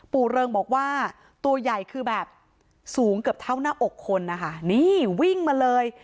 เริงบอกว่าตัวใหญ่คือแบบสูงเกือบเท่าหน้าอกคนนะคะนี่วิ่งมาเลย